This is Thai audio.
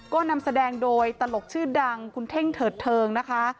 ก็นำแสดงโดยตลกชื่อดังคุณเท่งเถิดเทิงนะคะ